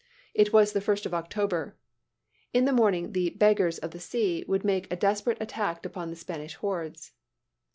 It was the first of October. In the morning the "beggars" of the sea would make a desperate attack upon the Spanish hordes.